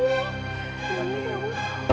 alhamdulillah mereka tidak apa apa